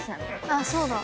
あっそうだ。